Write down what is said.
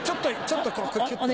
ちょっとキュっと。